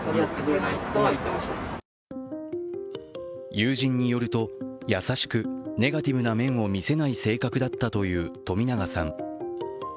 友人によると優しく、ネガティブな面を見せない性格だったという冨永さん。